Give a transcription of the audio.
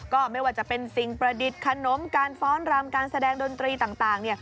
ก็ไม่ว่าจะเป็นสิ่งประดิษฐ์ขนมการฟ้อนรำการแสดงดนตรีต่างเนี่ย